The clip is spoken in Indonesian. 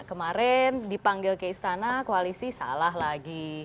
kemarin dipanggil ke istana koalisi salah lagi